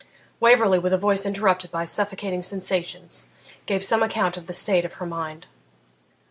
Waverley, with a voice interrupted by suffocating sensations, gave some account of the state of her mind.